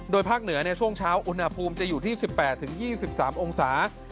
ภาคเหนือช่วงเช้าอุณหภูมิจะอยู่ที่๑๘๒๓องศา